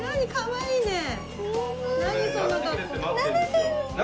かわいいねえ。